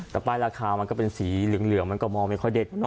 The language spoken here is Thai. แต่ป้ายราคามันก็เป็นสีเหลืองมันก็มองไม่ค่อยเด็ด